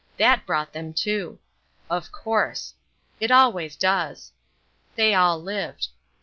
That brought them to. Of course. It always does. They all lived.